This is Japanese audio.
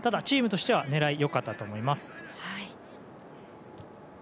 チームとしては狙い良かったと思います。